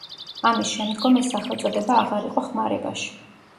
ამის შემდგომ ეს სახელწოდება აღარ იყო ხმარებაში.